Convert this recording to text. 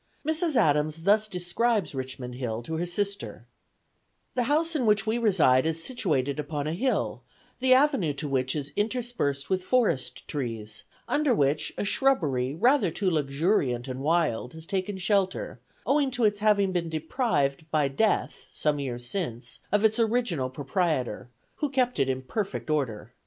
Mrs. Adams thus describes Richmond Hill to her sister: "The house in which we reside is situated upon a hill, the avenue to which is interspersed with forest trees, under which a shrubbery rather too luxuriant and wild has taken shelter, owing to its having been deprived by death, some years since, of its original proprietor, who kept it in perfect order.